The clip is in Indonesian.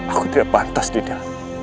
aku tidak pantas dinda